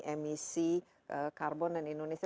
emisi karbon dan indonesia